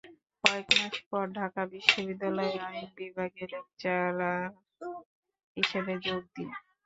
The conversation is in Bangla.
কয়েক মাস পর ঢাকা বিশ্ববিদ্যালয়ে আইন বিভাগে লেকচারার হিসেবে যোগদান করি।